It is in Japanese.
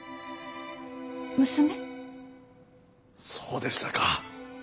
・そうでしたか。